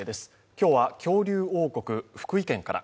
今日は恐竜王国、福井県から。